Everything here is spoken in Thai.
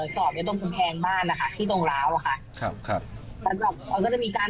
สอบเยอะต้มแขวนแทงบ้านนะคะที่ตรงร้าวค่ะครับครับแล้วก็จะมีการ